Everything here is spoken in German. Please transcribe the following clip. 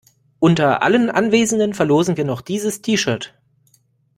Unter allen Anwesenden verlosen wir noch dieses T-Shirt.